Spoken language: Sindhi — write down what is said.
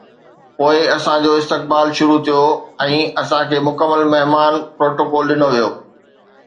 پوءِ اسان جو استقبال شروع ٿيو ۽ اسان کي مڪمل مهمان پروٽوڪول ڏنو ويو.